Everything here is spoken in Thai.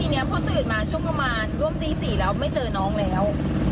ทีนี้พอตื่นมาช่วงประมาณร่วมตี๔แล้วไม่เจอน้องแล้ว